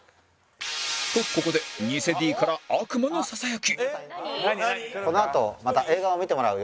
とここでニセ Ｄ から悪魔のささやき